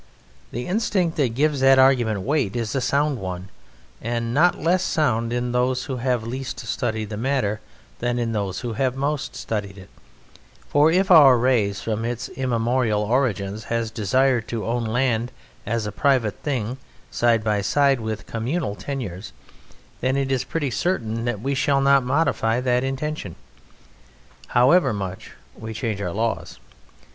The instinct that gives that argument weight is a sound one, and not less sound in those who have least studied the matter than in those who have most studied it; for if our race from its immemorial origins has desired to own land as a private thing side by side with communal tenures, then it is pretty certain that we shall not modify that intention, however much we change our laws.